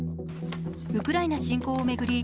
ウクライナ侵攻を巡り